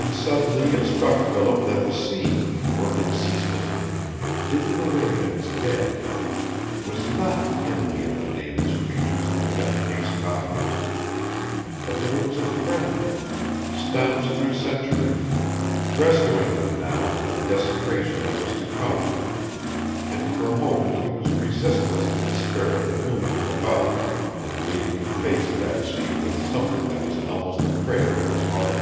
And suddenly it struck Philip that the sea, working ceaselessly, digging away at its dead, was not the enemy of the nameless creatures in the gun case coffins, but that it was a friend, stanch through centuries, rescuing them now from the desecration that was to come; and for a moment he was resistless to the spirit that moved him about and made him face that sea with something that was almost a prayer in his heart.